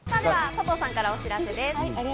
佐藤さんからお知らせです。